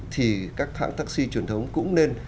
thì các hãng taxi truyền thống cũng nên